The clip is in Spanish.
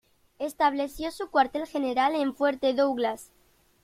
Estableció su cuartel general en Fuerte Douglas.